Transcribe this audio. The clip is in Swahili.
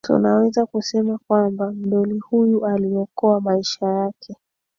tunaweza kusema kwamba mdoli huyo aliokoa maisha yake